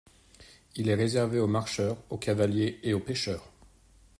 Il est réservé aux marcheurs, aux cavaliers et aux pêcheurs.